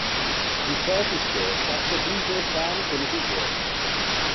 Do fæto seu ciaschedun peu fâne quello ch’o veu.